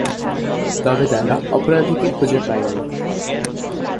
তবে তারা অপরাধীকে খুঁজে পায়নি।